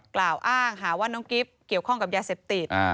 กล่าวอ้างหาว่าน้องกิ๊บเกี่ยวข้องกับยาเสพติด